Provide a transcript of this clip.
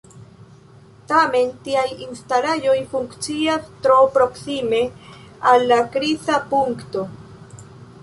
Tamen tiaj instalaĵoj funkcias tro proksime al la kriza punkto.